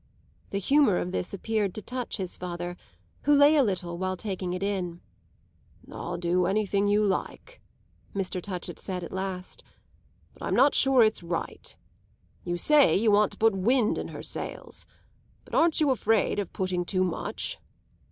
The humour of this appeared to touch his father, who lay a little while taking it in. "I'll do anything you like," Mr. Touchett said at last; "but I'm not sure it's right. You say you want to put wind in her sails; but aren't you afraid of putting too much?"